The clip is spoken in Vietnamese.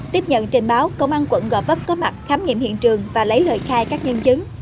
tiếp nhận trình báo công an quận gò vấp có mặt khám nghiệm hiện trường và lấy lời khai các nhân chứng